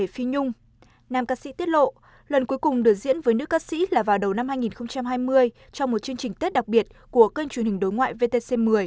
phi nhung đã diễn với nữ ca sĩ là vào đầu năm hai nghìn hai mươi trong một chương trình tết đặc biệt của kênh truyền hình đối ngoại vtc một mươi